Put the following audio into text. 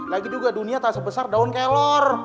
lagi juga dunia tak sebesar daun kelor